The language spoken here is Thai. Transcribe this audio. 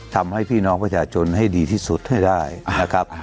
ทำให้พี่น้องประชาชนให้ดีที่สุดให้ได้นะครับ